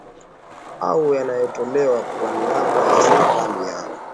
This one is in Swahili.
au yanayotolewa kwa niaba ya serikali yao